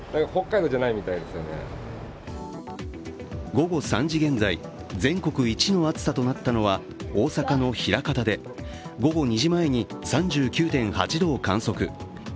午後３時現在、全国一の暑さとなったのは、大阪の枚方で午後２時前に３９．８度を観測。